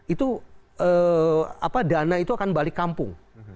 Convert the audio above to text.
itu dana itu akan balik kampung